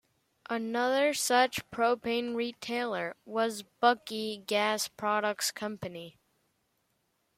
Another such propane retailer was Buckeye Gas Products Company.